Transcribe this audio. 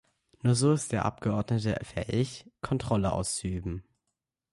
Nur so ist der Abgeordnete fähig, Kontrolle auszuüben.